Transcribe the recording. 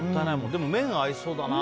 でも麺は合いそうだな。